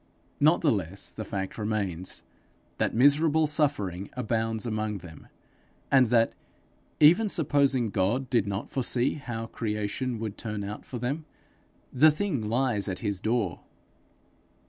Not the less the fact remains, that miserable suffering abounds among them, and that, even supposing God did not foresee how creation would turn out for them, the thing lies at his door.